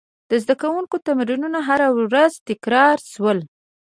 د زده کوونکو تمرینونه هره ورځ تکرار شول.